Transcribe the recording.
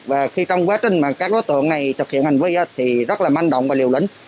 và khi trong quá trình mà các đối tượng này thực hiện hành vi thì rất là manh động và liều lĩnh